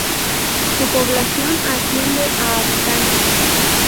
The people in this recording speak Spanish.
Su población asciende a habitantes.